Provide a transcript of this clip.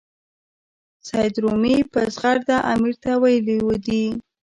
سید رومي په زغرده امیر ته ویلي دي.